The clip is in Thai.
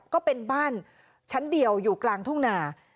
ก็เป็นบ้านชั้นเดียวอยู่กลางทุ่งนา